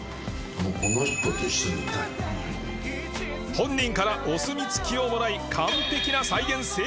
本人からお墨付きをもらい完璧な再現成功